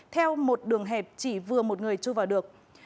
theo một đường hẹp chỉ vừa một người chui vào được